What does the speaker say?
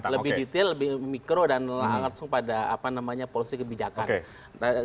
lebih detail lebih mikro dan langsung pada polusi kebijakan